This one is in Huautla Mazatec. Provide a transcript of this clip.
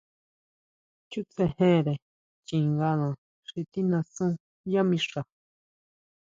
Chútsejere chingana xi tijnasú yá mixa.